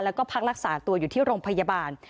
แล้วก็พักรักษาตัวอยู่ที่โรงพยาบาล